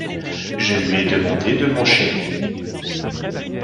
Je lui ai demandé de m’enchaîner.